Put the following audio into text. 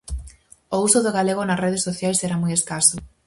O uso do galego nas redes sociais era moi escaso.